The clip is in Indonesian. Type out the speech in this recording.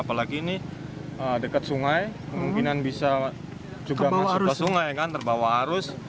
apalagi ini dekat sungai kemungkinan bisa juga masuk ke sungai kan terbawa arus